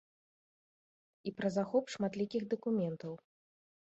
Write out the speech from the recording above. І пра захоп шматлікіх дакументаў.